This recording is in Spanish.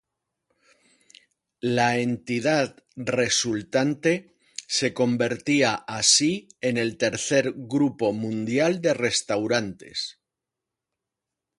La entidad resultante se convertía así en el tercer grupo mundial de restaurantes.